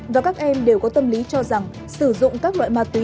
và các em đều có tâm lý cho rằng sử dụng các loại ma túy